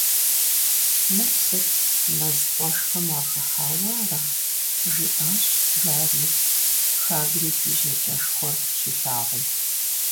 «Мыр сыт, мэз къуэшхэм уахыхьауэ ара?» - жиӏащ Гарри, Хагрид и жьакӏэшхуэр щилъагъум.